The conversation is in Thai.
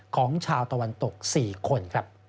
ของชาวตะวันตก๔คน